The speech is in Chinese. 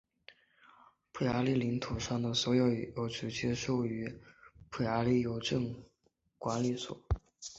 匈牙利领土上的所有邮局受控于匈牙利邮政管理局。